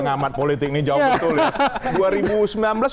pengamat politik ini jawab betul ya